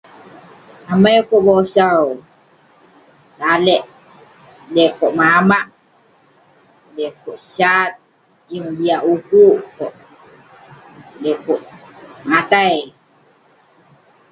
Amai kok bosau lalek, m'dey kok mamak..m'dey kok sat..yeng jiak ukuk..m'dey kok matai..